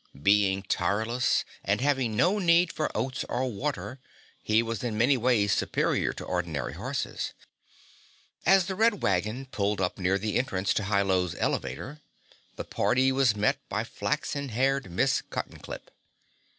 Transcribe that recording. Being tireless and having no need for oats or water, he was in many ways superior to ordinary horses. As the Red Wagon pulled up near the entrance to Hi Lo's elevator, the party was met by flaxen haired Miss Cuttenclip.